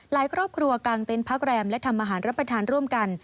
ครอบครัวกลางเต็นต์พักแรมและทำอาหารรับประทานร่วมกัน